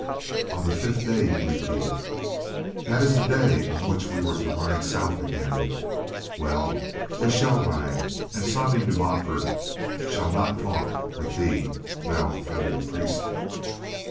"On the fifth day," he repeated. "That is the day on which we were to ride south again. Well, we shall ride, and Simon de Montfort shall not talk with thee, thou fool priest."